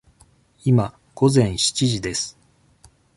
今、午前七時です。